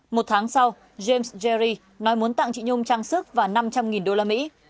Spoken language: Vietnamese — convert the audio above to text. một tháng sau james jerry nói muốn tặng chị nhung trang sức và năm trăm linh đô la mỹ